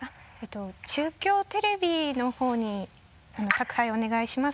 中京テレビのほうに宅配をお願いします。